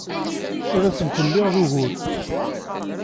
Ur asent-lliɣ d ugur.